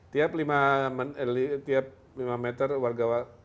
tiap lima meter warga